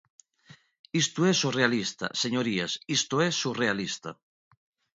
Isto é surrealista, señorías, ¡isto é surrealista!